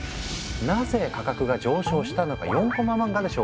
なぜ価格が上昇したのか４コマ漫画で紹介するね。